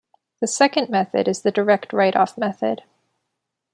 The second method is the "direct write-off method".